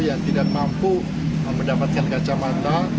yang tidak mampu mendapatkan kacamata